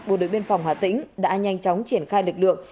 bộ đội biên phòng hà tĩnh đã nhanh chóng triển khai lực lượng